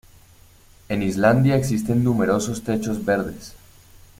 En Islandia existen numerosos techos verdes.